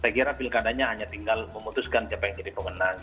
saya kira pilkadanya hanya tinggal memutuskan siapa yang jadi pemenang